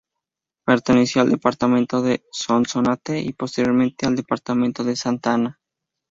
Perteneció al Departamento de Sonsonate y posteriormente al Departamento de Santa Ana.